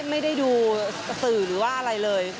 ไม่ได้ดูสื่อหรือว่าอะไรเลย